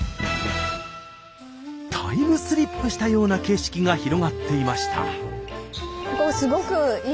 タイムスリップしたような景色が広がっていました。